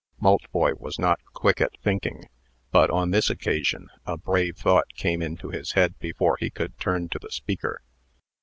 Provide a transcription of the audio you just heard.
Maltboy was not quick at thinking; but, on this occasion, a brave thought came into his head before he could turn to the speaker.